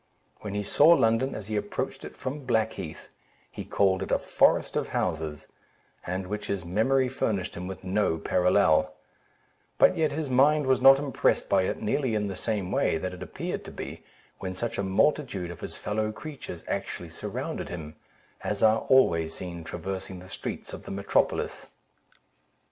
When he saw London, as he approached it from Blackheath, he called it a forest of houses, and which his memory furnished him with no parallel; but yet his mind was not impressed by it nearly in the same way that it appeared to be, when such a multitude of his fellow creatures actually surrounded him, as are always seen traversing the streets of the metropolis.